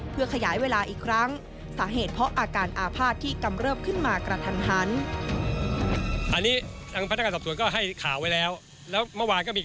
เพื่อขยายเวลาอีกครั้ง